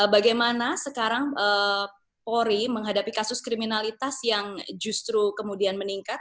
bagaimana sekarang polri menghadapi kasus kriminalitas yang justru kemudian meningkat